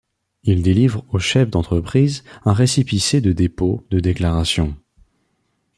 Il délivre au chef d'entreprise un récépissé de dépôt de déclaration.